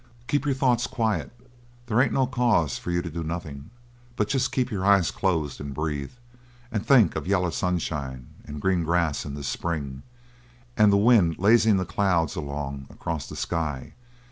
Keep your thoughts quiet. They ain't no cause for you to do nothin' but jest keep your eyes closed, and breathe, and think of yaller sunshine, and green grass in the spring, and the wind lazyin' the clouds along across the sky.